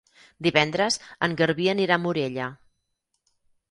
Divendres en Garbí anirà a Morella.